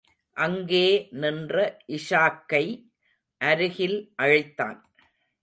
அங்கே நின்ற இஷாக்கை அருகில் அழைத்தான்.